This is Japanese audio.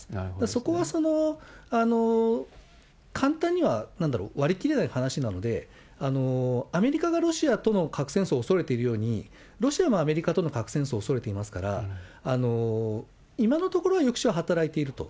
そこは簡単には、なんだろう、割り切れない話なので、アメリカがロシアとの核戦争を恐れているように、ロシアもアメリカとの核戦争を恐れていますから、今のところは抑止は働いていると。